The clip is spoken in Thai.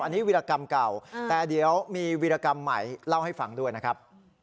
อันนี้วิรากรรมเก่าแต่เดี๋ยวมีวิรกรรมใหม่เล่าให้ฟังด้วยนะครับ